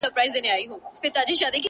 o دوى ما اوتا نه غواړي،